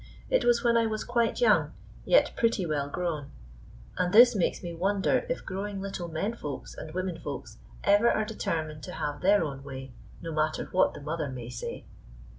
It was when I was quite young, yet pretty well grown. And this makes me wonder if growing little men Folks and women Folks ever are determined to have their own way, no matter what the mother may say.